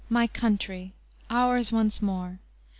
my Country! ours once more!